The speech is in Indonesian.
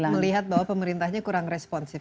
melihat bahwa pemerintahnya kurang responsif